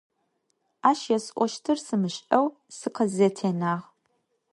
Ащ есӀощтыр сымышӀэу сыкъызэтенагъ.